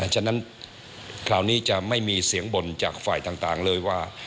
ฉะนั้นคราวนี้จะไม่มีเสียงบ่นจากฝ่ายต่างเลยว่า